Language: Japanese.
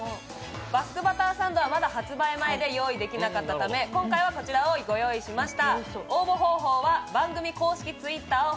バスクバターサンドはまだ発売前でご用意できなかったため、今回はこちらをご用意しました。